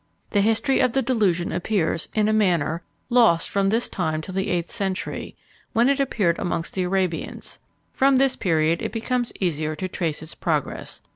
The history of the delusion appears, in a manner, lost from this time till the eighth century, when it appeared amongst the Arabians. From this period it becomes easier to trace its progress.